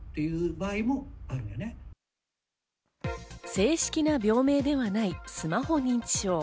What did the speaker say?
正式な病名ではないスマホ認知症。